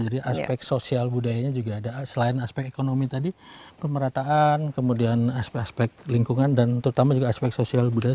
jadi aspek sosial budayanya juga ada selain aspek ekonomi tadi pemerataan kemudian aspek aspek lingkungan dan terutama juga aspek sosial budaya